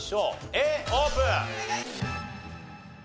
Ａオープン！